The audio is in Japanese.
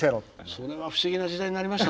それは不思議な時代になりましたね。